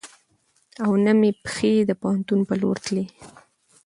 او نه مې پښې د پوهنتون په لور تلې .